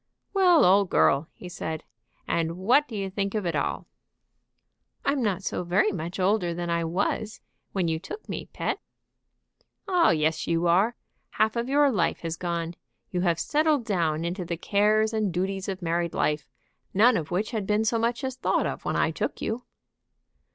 "Well, old girl!" he said, "and now what do you think of it all?" "I'm not so very much older than I was when you took me, pet." "Oh, yes, you are. Half of your life has gone; you have settled down into the cares and duties of married life, none of which had been so much as thought of when I took you."